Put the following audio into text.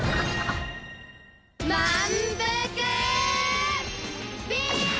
まんぷくビーム！